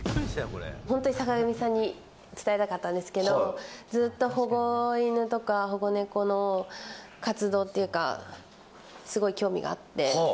本当に坂上さんに伝えたかったんですけど、ずっと保護犬とか保護猫の活動っていうか、すごい興味があって。